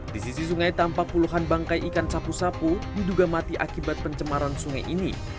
di sisi sungai tampak puluhan bangkai ikan sapu sapu diduga mati akibat pencemaran sungai ini